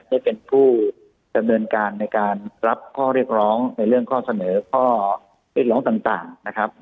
ได้เป็นผู้ดำเนินการในการรับข้อเรียกร้องในเรื่องข้อเสนอข้อเรียกร้องต่างนะครับ